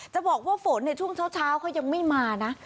จะบอกว่าฝนในช่วงเช้าเขายังไม่มานะ